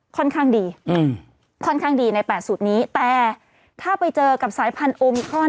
ค่อนข้างดีอืมค่อนข้างดีใน๘สูตรนี้แต่ถ้าไปเจอกับสายพันธุมิครอน